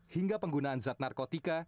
hingga penggunaan zat narkotika